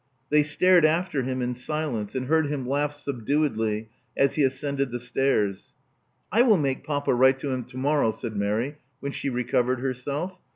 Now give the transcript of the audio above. They stared after him in silence, and heard him laugh subduedly as he ascended the stairs. I will make papa write to him to morrow, ". said Mary, when she recovered herself.